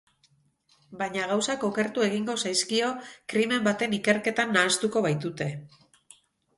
Baina gauzak okertu egingo zaizkio krimen baten ikerketan nahastuko baitute.